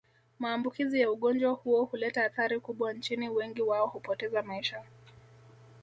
Maambukizi ya ugonjwa huo huleta athari kubwa Nchini wengi wao hupoteza maisha